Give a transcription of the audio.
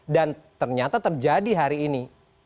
dan ternyata terjadi hari ini